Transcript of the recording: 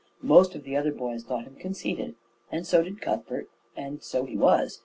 Most of the other boys thought him conceited, and so did Cuthbert, and so he was.